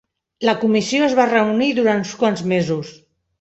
La comissió es va reunir durant uns quants mesos.